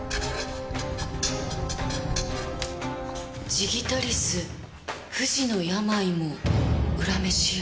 「ジギタリス不治の病もうらめしや」。